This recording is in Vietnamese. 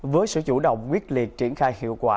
với sự chủ động quyết liệt triển khai hiệu quả